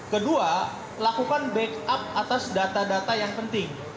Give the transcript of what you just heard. kedua lakukan backup atas data data yang penting